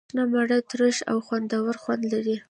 شنه مڼه ترش او خوندور خوند لري.